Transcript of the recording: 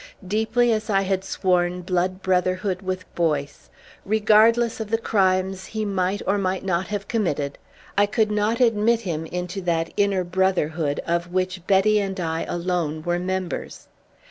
Deeply as I had sworn blood brotherhood with Boyce, regardless of the crimes he might or might not have committed, I could not admit him into that inner brotherhood of which Betty and I alone were members.